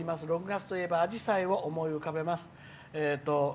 ６月といえばアジサイを思い浮かべます。